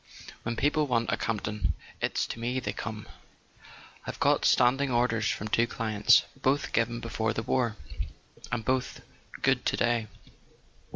When people want a Camp ton it's to me they come. I've got standing orders from two clients ... both given before the war, and both good to day."